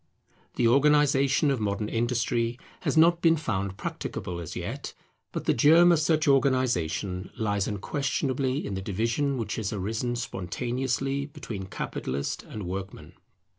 The organization of modern industry has not been found practicable as yet; but the germ of such organization lies unquestionably in the division which has arisen spontaneously between Capitalist and Workman.